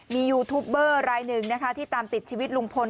มียูทูปเบอร์รายหนึ่งนะคะที่ตามติดชีวิตลุงพล